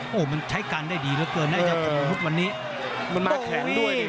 โหมันใช้กันได้ดีเหลือเกินได้จับกับรุ่นฮุกวันนี้